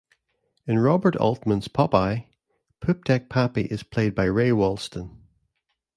In Robert Altman's "Popeye", Poopdeck Pappy is played by Ray Walston.